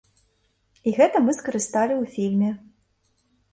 І гэта мы скарысталі ў фільме.